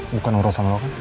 bukan urusan lu kan